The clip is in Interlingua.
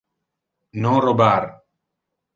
Non robar.